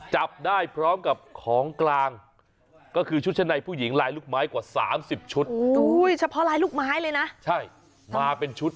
จับได้พร้อมกับของกลางก็คือชุดชนัยผู้หญิงลายลูกไม้กว่าสามสิบชุด